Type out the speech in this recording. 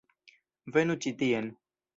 Venu ĉi tien